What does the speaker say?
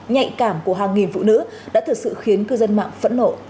nhạy cảm của hàng nghìn phụ nữ đã thực sự khiến cư dân mạng phẫn nộ